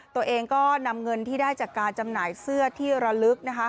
ตัวเองก็นำเงินที่ได้จากการจำหน่ายเสื้อที่ระลึกนะคะ